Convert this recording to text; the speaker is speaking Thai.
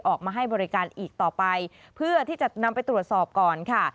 ออกมาให้บริการอีกต่อไปเพื่อที่จะนำไปตรวจสอบก่อนค่ะ